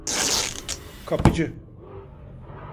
Kapıcı…